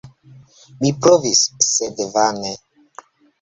Mi provis, sed vane.